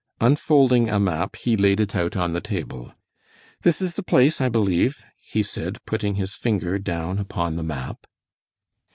Unfolding a map he laid it out on the table. "This is the place, I believe," he said, putting his finger down upon the map.